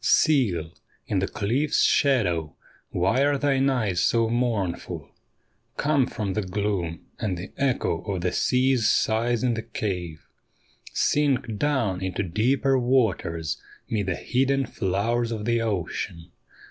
' Seal, in the cliff's shadow, why are thine eyes so mournful ? Come from the gloom and the echo of the sea's sighs in the cave, Sink down into deeper waters 'mid the hidden flowers of the ocean.